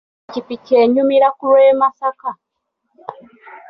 Ppikipiki enyumira ku lw'e Masaka.